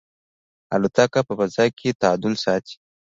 الوتکه په فضا کې تعادل ساتي.